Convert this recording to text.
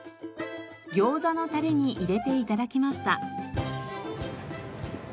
餃子のタレに入れて頂きました。